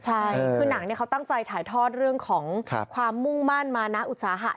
ใช่คือหนังเขาตั้งใจถ่ายทอดเรื่องของความมุ่งมั่นมานะอุตสาหะ